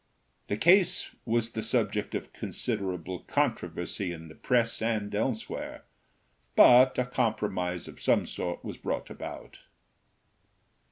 The case was the subject of considerable controversy in the press and elsewhere, but a compromise of some sort was brought about.